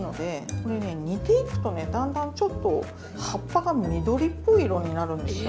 これね煮ていくとねだんだんちょっと葉っぱが緑っぽい色になるんですよ。